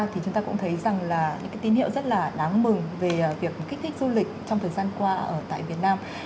thì chúng ta cũng thấy rằng là những cái tín hiệu rất là đáng mừng về việc kích thích du lịch trong thời gian qua ở tại việt nam